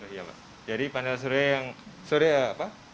iya pak jadi panel surya yang sore apa